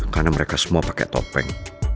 karena mereka semua pake topeng